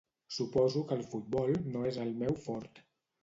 Suposo que el futbol no és el meu fort.